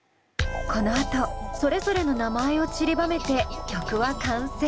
このあとそれぞれの名前をちりばめて曲は完成。